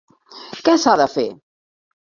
Què s'ha de fer?